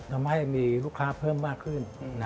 ทำให้มีลูกค้าเพิ่มมากขึ้น